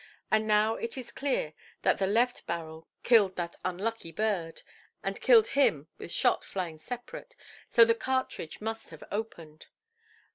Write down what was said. And now it is clear that the left barrel killed that unlucky bird, and killed him with shot flying separate, so the cartridge must have opened.